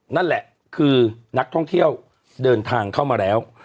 นั่นแหละคือนักท่องเที่ยวเดินทางเข้ามาแล้ว